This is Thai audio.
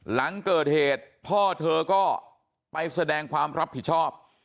หลังเกิดเหตุพ่อเธอก็ไปแสดงความรับผิดชอบ